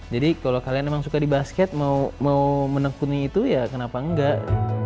jadi kalau kalian emang suka di basket mau menekuni itu ya kenapa enggak